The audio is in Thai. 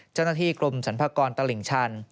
เจ้าหน้าที่กรมสรรพากรตลิ่งชัน